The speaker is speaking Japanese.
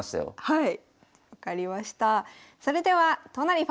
はい。